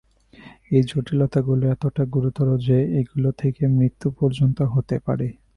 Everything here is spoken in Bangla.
এই জটিলতাগুলো এতটা গুরুতর যে, এগুলো থেকে মৃত্যু পর্যন্ত হতে পারে।